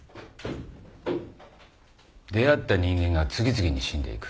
出会った人間が次々に死んでいく